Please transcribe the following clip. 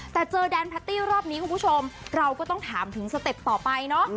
แต่เจอแดนแพตตี้รอบนี้คุณผู้ชมเราก็ต้องถามถึงสเต็ปต่อไปเนอะ